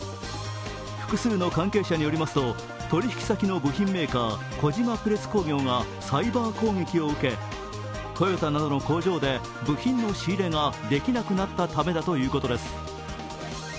複数の関係者によりますと、取引先の部品メーカー、小島プレス工業がサイバー攻撃を受け、トヨタなどの工場で部品の仕入れができなくなったためだということです。